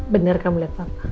bener kamu liat papa